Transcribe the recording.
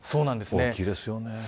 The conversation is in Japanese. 大きいですね。